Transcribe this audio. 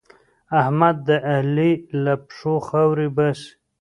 احمد د علي له پښو خاورې باسي.